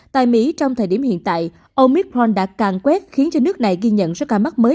tại mỹ trong thời điểm hiện tại ông midpron đã càng quét khiến cho nước này ghi nhận số ca mắc mới